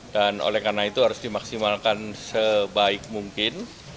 dan oleh karena itu harus dimaksimalkan sebaik mungkin